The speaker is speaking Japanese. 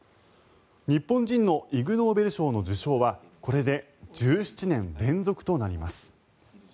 日本人のイグノーベル賞の受賞はこれで１７年連続となります。